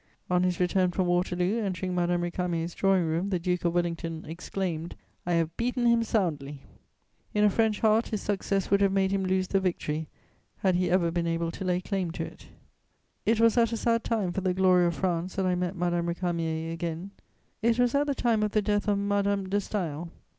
On his return from Waterloo, entering Madame Récamier's drawing room, the Duke of Wellington exclaimed: "I have beaten him soundly!" In a French heart, his success would have made him lose the victory, had he ever been able to lay claim to it. [Sidenote: End of Madame de Staël.] It was at a sad time for the glory of France that I met Madame Récamier again; it was at the time of the death of Madame de Staël.